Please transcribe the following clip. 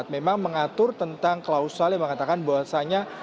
memang mengatur tentang klausal yang mengatakan bahwasannya